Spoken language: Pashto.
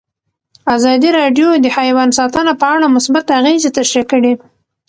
ازادي راډیو د حیوان ساتنه په اړه مثبت اغېزې تشریح کړي.